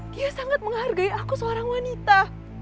dia sangat menghargai aku seorang wanita